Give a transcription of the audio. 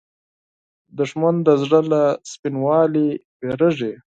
دښمن د زړه له سپینوالي وېرېږي